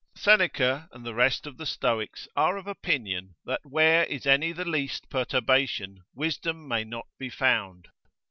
Seneca and the rest of the stoics are of opinion, that where is any the least perturbation, wisdom may not be found.